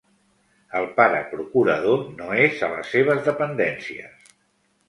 El pare procurador no és a les seves dependències.